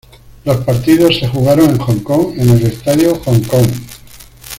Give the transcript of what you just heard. Los partidos se jugaron en Hong Kong en el Estadio Hong Kong.